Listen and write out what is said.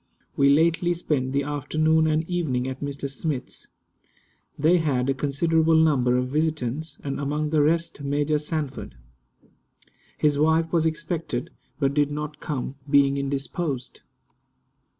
We lately spent the afternoon and evening at Mr. Smith's. They had a considerable number of visitants, and among the rest Major Sanford. His wife was expected, but did not come, being indisposed.